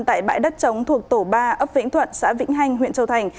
tại bãi đất trống thuộc tổ ba ấp vĩnh thuận xã vĩnh hanh huyện châu thành